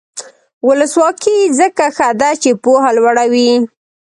ولسواکي ځکه ښه ده چې پوهه لوړوي.